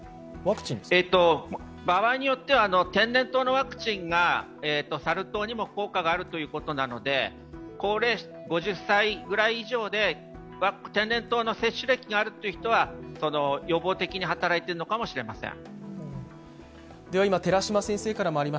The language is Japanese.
場合によっては天然痘のワクチンはサル痘にも効果があるということなので５０歳くらい以上で天然痘の接種歴のある人は予防的に働いているのかもしれません。